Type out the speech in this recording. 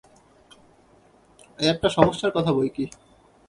এ একটা সমস্যার কথা বৈকি!